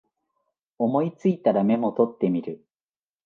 思いついたらメモ取ってみる